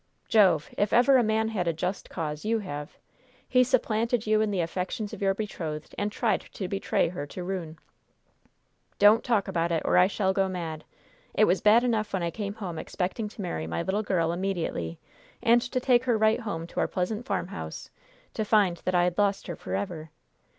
Jove, if ever a man had a just cause, you have! He supplanted you in the affections of your betrothed, and tried to betray her to ruin!" "Don't talk about it, or I shall go mad! It was bad enough when I came home expecting to marry my little girl immediately, and to take her right home to our pleasant farmhouse, to find that I had lost her forever!